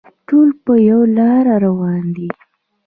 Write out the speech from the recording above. ټول په یوه لاره روان دي.